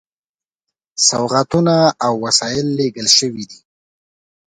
سوغاتونه او وسایل لېږل شوي دي.